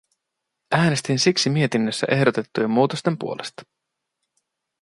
Äänestin siksi mietinnössä ehdotettujen muutosten puolesta.